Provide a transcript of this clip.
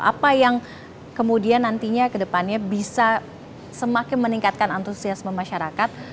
apa yang kemudian nantinya ke depannya bisa semakin meningkatkan antusiasme masyarakat